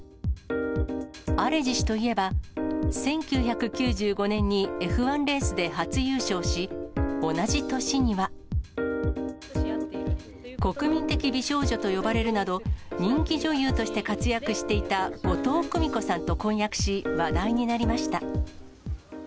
アレジ氏といえば、１９９５年にＦ１レースで初優勝し、同じ年には、国民的美少女と呼ばれるなど、人気女優として活躍していた後藤久美子さんと婚約し、話題になりました。